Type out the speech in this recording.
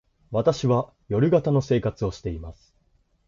私は夜型の生活をしています。